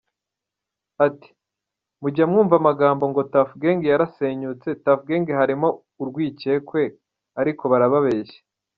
Ati, “Mujya mwumva amagambo, ngo Tuff Gang yarasenyutse, Tuff Gang harimo urwicyekwe, ariko barababeshya .